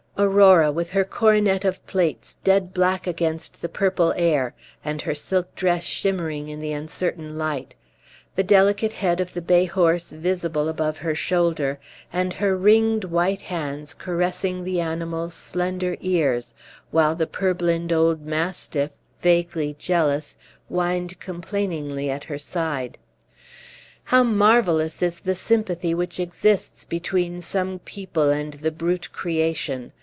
Aurora, with her coronet of plaits dead black against the purple air, and her silk dress shimmering in the uncertain light, the delicate head of the bay horse visible above her shoulder, and her ringed white hands caressing the animal's slender ears, while the purblind old mastiff, vaguely jealous, whined complainingly at her side. How marvellous is the sympathy which exists between some people and the brute creation!